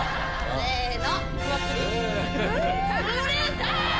せの！